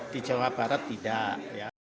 di jawa barat tidak